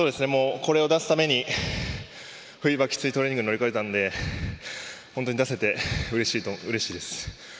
これを出すために冬場、きついトレーニングを乗り越えたので本当に出せてうれしいです。